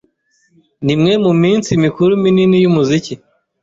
Nimwe muminsi mikuru minini yumuziki.